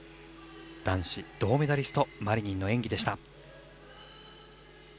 男子銅メダリスト、マリニンの演技でした。